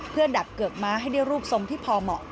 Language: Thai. เพื่อดับเกือกม้าให้ได้รูปทรงที่พอเหมาะ